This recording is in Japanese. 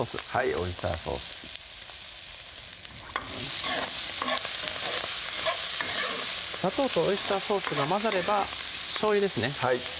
オイスターソース砂糖とオイスターソースが混ざればしょうゆですね